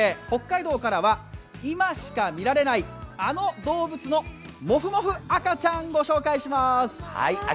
北海道からは今しかみられない、あの動物のもふもふ赤ちゃん、ご紹介します！